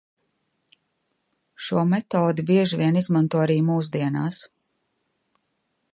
Šo metodi bieži vien izmanto arī mūsdienās.